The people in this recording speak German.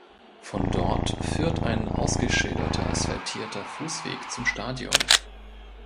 Von dort führt ein ausgeschilderter, asphaltierter Fußweg zum Stadion.